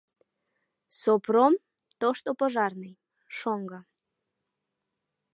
Сопром — тошто пожарный, шоҥго.